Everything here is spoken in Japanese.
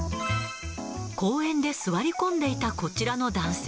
公園で座り込んでいたこちらの男性。